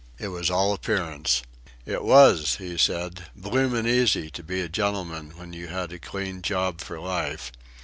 It was all appearance. "It was," he said, "bloomin' easy to be a gentleman when you had a clean job for life."